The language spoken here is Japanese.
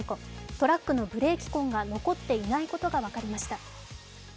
トラックのブレーキ痕が残っていないことが分かりました。